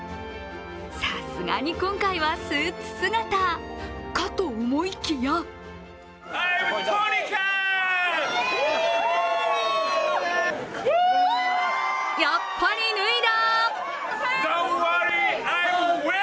さすがに今回はスーツ姿かと思いきややっぱり脱いだ！